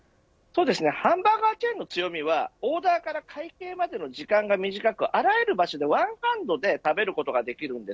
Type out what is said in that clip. ハンバーガーチェーンの強みをオーダーから会見までの時間が短くあらゆる場所でワンハンドで食べることができます。